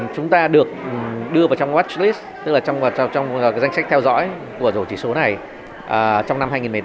chúng ta được đưa vào trong watch list tức là trong danh sách theo dõi của rổ chỉ số này trong năm hai nghìn một mươi tám